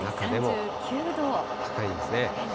高いですね。